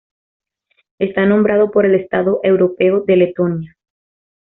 Está nombrado por el estado europeo de Letonia.